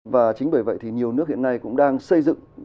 và chính bởi vậy thì nhiều nước hiện nay cũng đang xây dựng